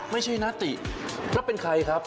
ไม่ใช่นาติแล้วเป็นใครครับ